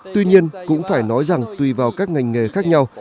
tuy nhiên cũng phải nói rằng tùy vào các ngành nghề khác nhau